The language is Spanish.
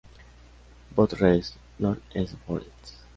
Bot, Res. North-East Forest.